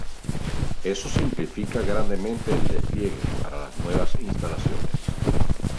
Eso simplifica grandemente el despliegue para las nuevas instalaciones.